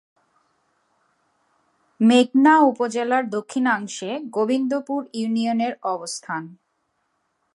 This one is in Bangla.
মেঘনা উপজেলার দক্ষিণাংশে গোবিন্দপুর ইউনিয়নের অবস্থান।